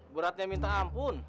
beratnya minta ampun